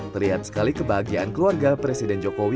terlihat sekali kebahagiaan keluarga presiden jokowi